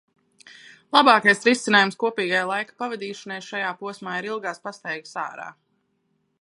Labākais risinājums kopīgai laika pavadīšanai šajā posmā ir ilgās pastaigās ārā.